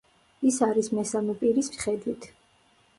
ის არის მესამე პირის ხედვით.